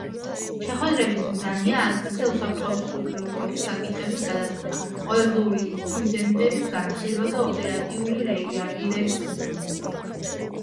შეხვედრების მიზანია ადგილზე უსაფრთხოების უზრუნველყოფის საკითხების გადაწყვეტა, ყოველდღიური ინციდენტების განხილვა და ოპერატიული რეაგირების უზრუნველყოფა.